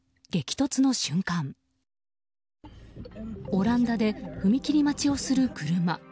オランダで踏切待ちをする車。